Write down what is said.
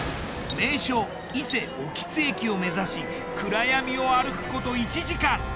名所伊勢奥津駅を目指し暗闇を歩くこと１時間。